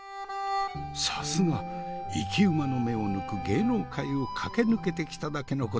さすが生き馬の目を抜く芸能界を駆け抜けてきただけのことはある。